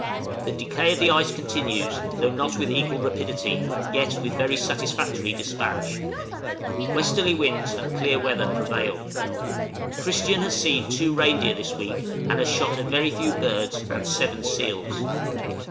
The decay of the ice continues, though not with equal rapidity, yet with very satisfactory despatch. Westerly winds and clear weather prevail. Christian has seen two reindeer this week, and has shot a very few birds, and seven seals.